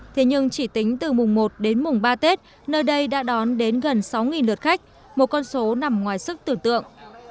thế nhưng chỉ tính từ mùng một đến mùng ba tết nơi đây đã đón đến gần sáu lượt khách một con số nằm ngoài sức tưởng tượng